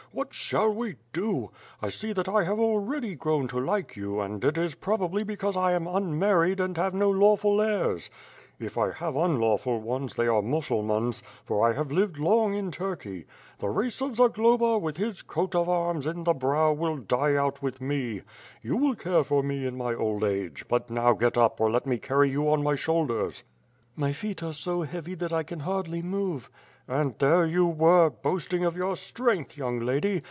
What shall we do? I see that I have already 262 WITH PlIiE AND SWORD. grown to like you, and it is probably because I am unmarried and have no lawful heirs; if I have unlawful ones they are Mussulmans, for I have lived long in Turkey. The race of Zagloba with his coat of arms "in the brow" will die out with me. You will care for me in my old age, but now get up or let me carry you on my shoulders." "My feet are so heavy that 1 can hardly move." "And there you were, boasting of your strength, young lady.